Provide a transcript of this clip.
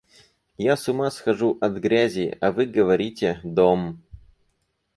Я с ума схожу от грязи, а вы говорите — дом!